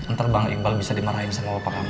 ntar bang iqbal bisa dimarahin sama bapak kamu